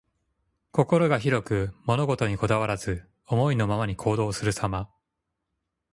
心が広く、物事にこだわらず、思いのままに行動するさま。